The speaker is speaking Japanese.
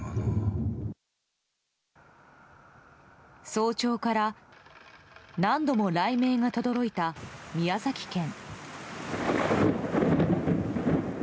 早朝から何度も雷鳴がとどろいた宮崎県。